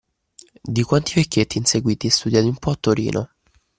Di quanti vecchietti inseguiti e studiati un po' a Torino